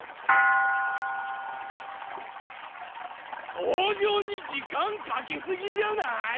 とうじょうにじかんかけすぎじゃない？